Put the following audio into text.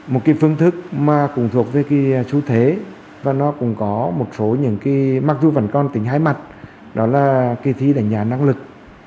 một cái phương thức mà cũng thuộc về cái xu thế và nó cũng có một số những cái mặc dù vẫn còn tỉnh hai mặt đó là kỳ thi đánh giá năng lực